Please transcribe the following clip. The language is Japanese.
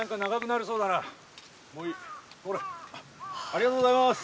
ありがとうございます。